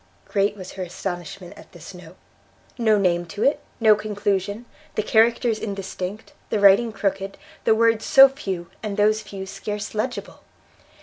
Great was her astonishment at this note! no name to it, no conclusion, the characters indistinct, the writing crooked, the words so few, and those few scarce legible!